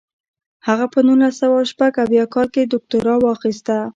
هغه په نولس سوه شپږ اویا کال کې دوکتورا واخیسته.